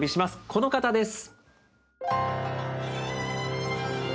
この方です。